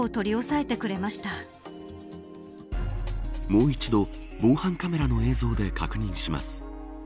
もう一度防犯カメラの映像で確認します。